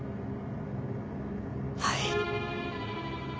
はい。